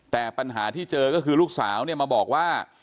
แต่ปัญหาที่เจอก็คือลูกสาวเนี่ยมาบอกว่า